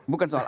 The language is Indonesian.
berarti ada ya